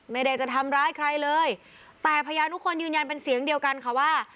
ไม่ได้จะทำร้ายใครเลยแต่พยานทุกคนยืนยันเป็นเสียงเดียวกันค่ะว่า